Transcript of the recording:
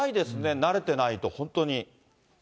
慣れてないと、本当に。